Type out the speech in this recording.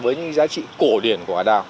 với những giá trị cổ điển của ả đào